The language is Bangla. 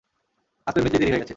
আজ তো এমনিতেই দেরি হয়ে গেছে।